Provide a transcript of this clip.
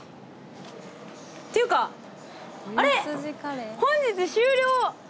っていうかあれ⁉「本日終了」